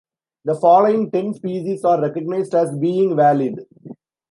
The following ten species are recognized as being valid.